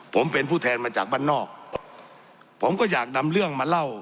ผมเป็นผู้แทนมาจากบ้านนอกผมก็อยากนำเรื่องมาเล่า